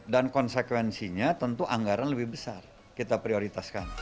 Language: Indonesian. dan konsekuensinya tentu anggaran lebih besar kita prioritaskan